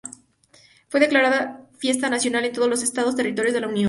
Fue declarada fiesta nacional en todos los estados y territorios de la unión.